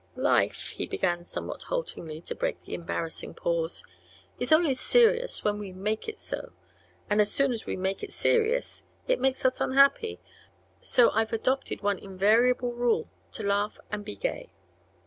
"Life," he began somewhat haltingly, to break the embarrassing pause, "is only serious when we make it so; and as soon as we make it serious it makes us unhappy. So I've adopted one invariable rule: to laugh and be gay."